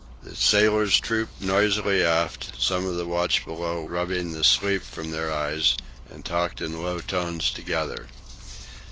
The sailors trooped noisily aft, some of the watch below rubbing the sleep from their eyes, and talked in low tones together.